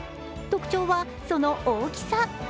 特徴は、その大きさ。